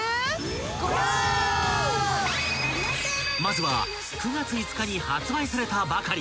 ［まずは９月５日に発売されたばかり］